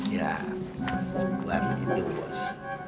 ya buat itu bos